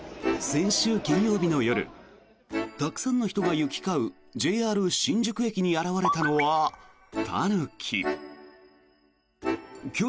先週金曜日の夜たくさんの人が行き交うＪＲ新宿駅に現れたのはタヌキ。